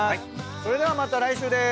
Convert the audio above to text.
それではまた来週です。